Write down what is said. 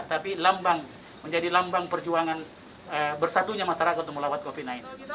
tapi lambang menjadi lambang perjuangan bersatunya masyarakat untuk melawan covid sembilan belas